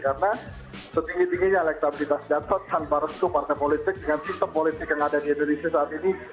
karena setinggi tingginya elektabilitas gatot tanpa restu partai politik dengan sistem politik yang ada di indonesia saat ini